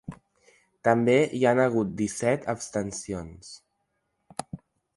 També hi han hagut disset abstencions.